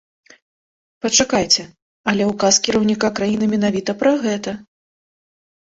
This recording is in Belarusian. Пачакайце, але ўказ кіраўніка краіны менавіта пра гэта.